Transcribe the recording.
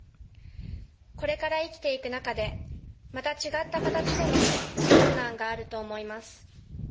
これから生きていく中で、また違った形での困難があると思います。